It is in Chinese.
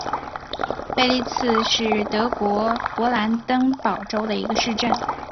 贝利茨是德国勃兰登堡州的一个市镇。